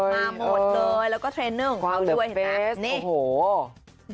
มาหมดเลยแล้วก็เทรนเนอร์ของเขาด้วยเห็นไหม